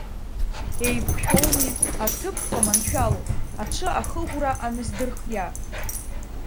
Еиқәшәоуми, аҭыԥ ԥха маншәалоуп, аҽы ахыӷәра аназдырхиа.